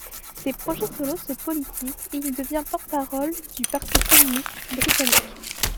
Ses projets solo se politisent et il devient porte-parole du Parti Communiste Britannique.